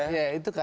iya itu kmp